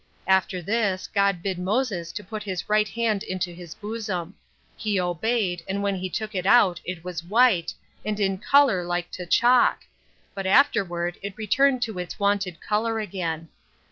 After this God bid Moses to put his right hand into his bosom: he obeyed, and when he took it out it was white, and in color like to chalk, but afterward it returned to its wonted color again.